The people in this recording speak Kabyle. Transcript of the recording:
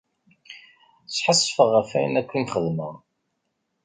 Sḥassfeɣ ɣef ayen akk i m-xedmeɣ.